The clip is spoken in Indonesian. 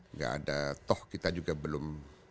enggak ada toh kita juga belum